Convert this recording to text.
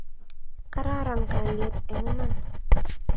Kararan kalyet eng' iman.